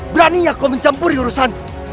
beraninya kau mencampuri urusanmu